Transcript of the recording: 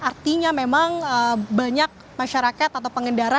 artinya memang banyak masyarakat atau pengendara